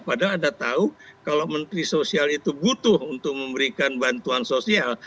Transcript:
padahal anda tahu kalau menteri sosial itu butuh untuk memberikan bantuan sosial